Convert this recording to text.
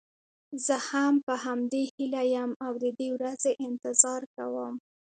زه هم په همدې هیله یم او د دې ورځې انتظار کوم.